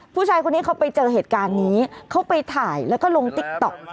ผู้ชายคนนี้เขาไปเจอเหตุการณ์นี้เขาไปถ่ายแล้วก็ลงติ๊กต๊อก